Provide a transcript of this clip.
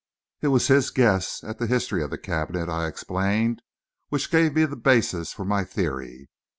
"It was his guess at the history of the cabinet," I explained, "which gave me the basis for my theory.